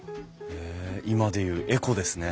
へえ今で言うエコですね。